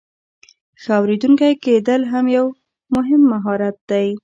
ښه اوریدونکی کیدل هم یو مهم مهارت دی.